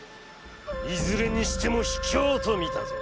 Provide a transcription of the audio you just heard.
いずれにしても卑怯と見たぞ。